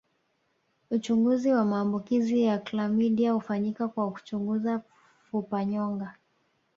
Uchunguzi wa maambukizi ya klamidia hufanyika kwa kuchunguza fupanyonga